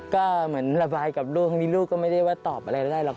ก็เหมือนระบายกับลูกทั้งนี้ลูกก็ไม่ได้ว่าตอบอะไรได้หรอก